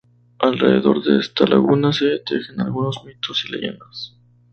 Alrededor de esta laguna se tejen algunos mitos y leyendas.